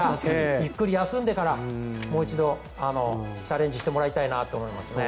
ゆっくり休んでからもう一度チャレンジしてもらいたいなと思いますね。